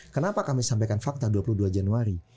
kenapa kami sampaikan fakta dua puluh dua januari